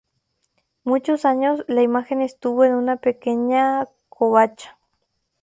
Muchos años la imagen estuvo en una pequeña covacha.